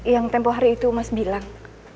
yang tempoh hari itu mas bilang